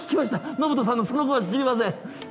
延人さんのその後は知りません。